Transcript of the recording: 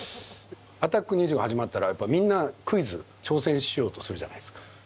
「アタック２５」が始まったらみんなクイズ挑戦しようとするじゃないですか。